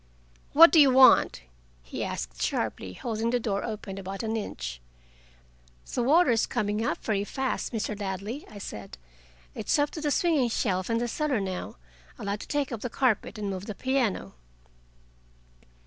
"What do you want?" he asked sharply, holding the door open about an inch. "The water's coming up very fast, Mr. Ladley," I said. "It's up to the swinging shelf in the cellar now. I'd like to take up the carpet and move the piano."